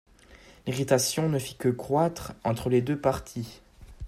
L’irritation ne fit que croitre entre les deux partis.